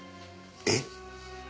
えっ？